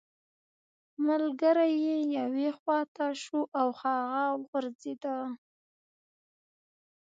ملګری یې یوې خوا ته شو او هغه وغورځیده